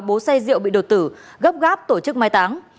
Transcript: bố say rượu bị đột tử gấp gáp tổ chức mai táng